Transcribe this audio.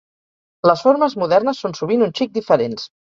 Les formes modernes són sovint un xic diferents.